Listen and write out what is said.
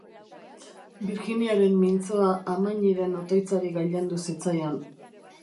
Virginiaren mintzoa amañiren otoitzari gailendu zitzaion.